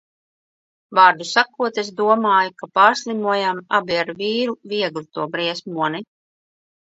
Vārdu sakot, es domāju, ka pārslimojām abi ar vīru viegli to briesmoni.